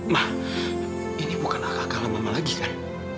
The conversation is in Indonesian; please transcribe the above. mah ini bukan akal akal mama lagi kan